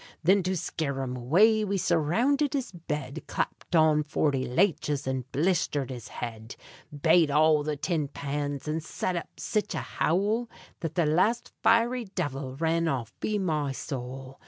Thin to scare 'em away we surroonded his bed, Clapt on forty laches and blisthered his head, Bate all the tin pans and set up sich a howl, That the last fiery divil ran off, be me sowl!